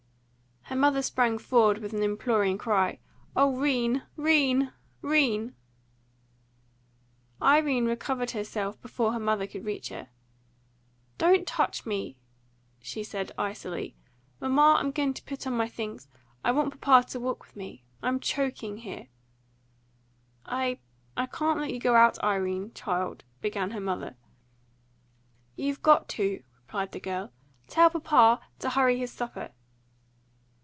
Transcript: Her mother sprang forward with an imploring cry, "O 'Rene, 'Rene, 'Rene!" Irene recovered herself before her mother could reach her. "Don't touch me," she said icily. "Mamma, I'm going to put on my things. I want papa to walk with me. I'm choking here." "I I can't let you go out, Irene, child," began her mother. "You've got to," replied the girl. "Tell papa ta hurry his supper."